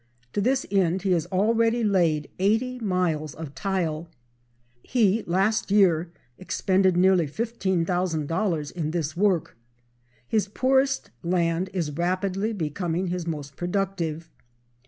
To this end he has already laid eighty miles of tile. He last year expended nearly $15,000 in this work. His poorest land is rapidly becoming his most productive.